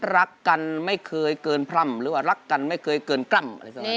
รักกันไม่เคยเกินพร่ำหรือว่ารักกันไม่เคยเกินกล้ำ